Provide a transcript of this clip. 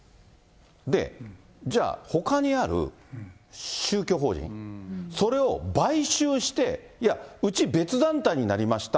で、じゃあほかにある宗教法人、それを買収して、いや、うち、別団体になりました、